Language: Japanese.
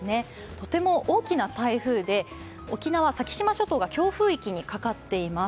とても大きな台風で、沖縄・先島諸島が強風域にかかっています。